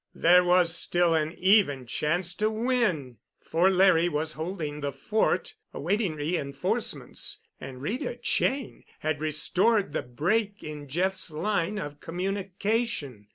There was still an even chance to win—for Larry was holding the fort awaiting reinforcements, and Rita Cheyne had restored the break in Jeff's line of communication.